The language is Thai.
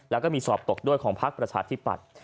แล้วก็มีสอบตกด้วยของพักประชาธิปัตย์